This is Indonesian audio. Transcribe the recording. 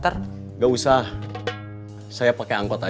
adalah viatang yang baik